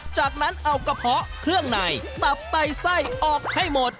จากนั้นเอากระเพาะเครื่องในตับไตไส้ออกให้หมด